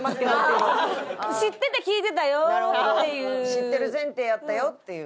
知ってる前提やったよっていう。